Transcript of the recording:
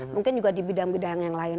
mungkin juga di bidang bidang yang lain